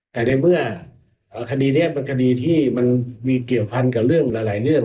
แต่ในเมื่อคดีนี้เป็นคดีที่มันมีเกี่ยวพันกับเรื่องหลายเรื่อง